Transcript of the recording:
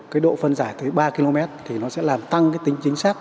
cái độ phân giải tới ba km thì nó sẽ làm tăng cái tính chính xác